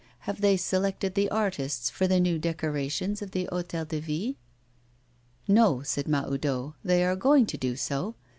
Have they selected the artists for the new decorations of the Hôtel de Ville?' 'No,' said Mahoudeau, 'they are going to do so.